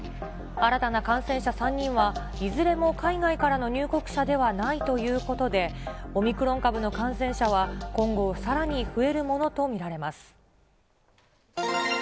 新たな感染者３人は、いずれも海外からの入国者ではないということで、オミクロン株の感染者は今後、さらに増えるものと見られます。